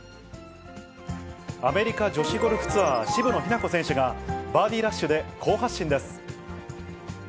アメリカ女子ゴルフツアー、渋野日向子選手が、バーディーラッシュで好発進です。